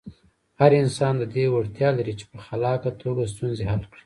هر انسان د دې وړتیا لري چې په خلاقه توګه ستونزې حل کړي.